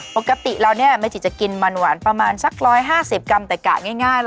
ปกติเราเนี่ยแม่จิจะกินมันหวานประมาณสัก๑๕๐กรัมแต่กะง่าย